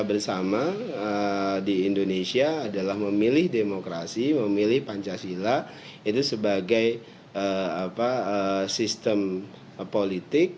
kita bersama di indonesia adalah memilih demokrasi memilih pancasila itu sebagai sistem politik